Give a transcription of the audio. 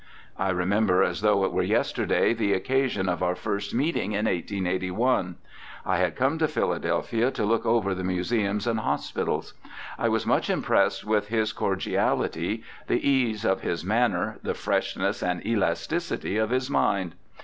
I remember as though it were yesterday the occasion of our first meeting in 1881. I had come to Philadelphia to look over the museums and hospitals. I was much impressed with his cordiality, the ease of his manner, the freshness and elasticity of his mind.